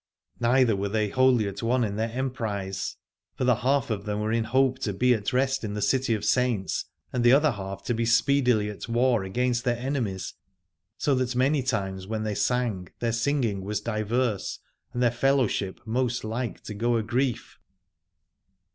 Neither were they wholly at one in their emprise : for the half of them were in hope to be at rest in the City of the Saints, and the other half to be speedily at war against their enemies, so that many times when they sang their singing was diverse, and their fellowship most like to go agrief.